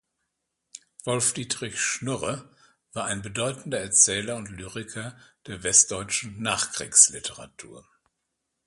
Wolfdietrich Schnurre war ein bedeutender Erzähler und Lyriker der westdeutschen Nachkriegsliteratur.